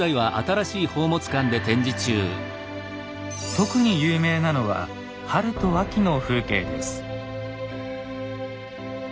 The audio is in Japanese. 特に有名なのは春と秋の風景です。